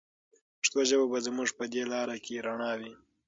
پښتو ژبه به زموږ په دې لاره کې رڼا وي.